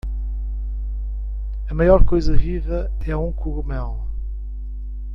A maior coisa viva é um cogumelo.